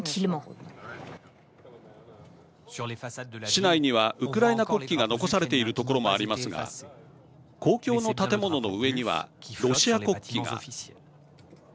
市内にはウクライナ国旗が残されているところもありますが公共の建物の上にはロシア国旗が。